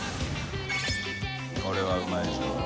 これはうまいでしょ。